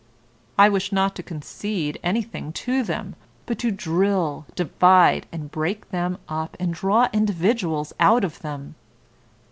I wish not to concede anything to them, but to drill, divide, and break them up, and draw individuals out of them.